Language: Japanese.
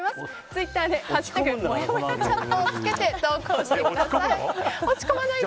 ツイッターで「＃もやもやチャット」をつけて投稿してください。